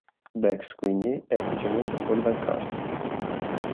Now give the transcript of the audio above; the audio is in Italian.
Bex, quindi, è ufficialmente fuori dal cast.